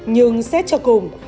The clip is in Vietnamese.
nhưng xét cho cùng